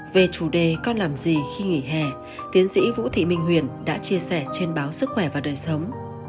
về chủ đề con làm gì khi nghỉ hè tiến sĩ vũ thị minh huyền đã chia sẻ trên báo sức khỏe và đời sống